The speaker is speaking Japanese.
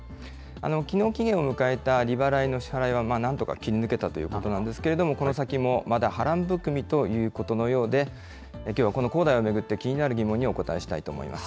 きのう期限を迎えた利払いの支払いはなんとか切り抜けたということなんですけれども、この先もまだ波乱含みということのようで、きょうはこの恒大を巡って、気になる疑問にお答えしたいと思います。